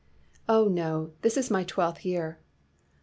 " 'Oh, no; this is my twelfth year.